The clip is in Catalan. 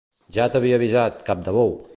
Ja t'havia avisat, cap de bou!